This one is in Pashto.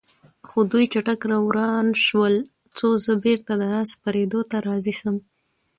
خو دوی چټک روان شول، څو زه بېرته د آس سپرېدو ته راضي شم.